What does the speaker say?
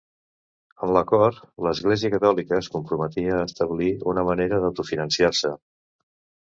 En l'acord l'Església Catòlica es comprometia a establir una manera d'autofinançar-se.